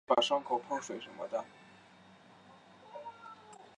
母谈氏。